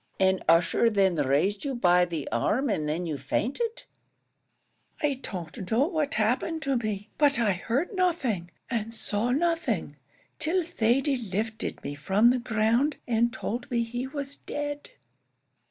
"And Ussher then raised you by the arm, and then you fainted?" "I don't know what happened to me; but I heard nothing, and saw nothing, till Thady lifted me from the ground, and told me he was dead."